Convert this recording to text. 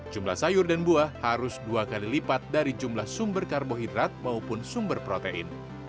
jumlah sayur dan buah harus dua kali lipat dari jumlah sumber karbohidrat maupun sumber protein